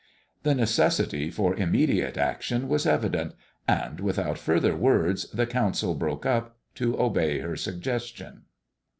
The necessity for immediate action was evident, and without further words the council broke up, to obey her suggestion.